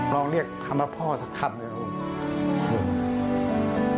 ลองเรียกคำว่าพ่อสักคำหนึ่ง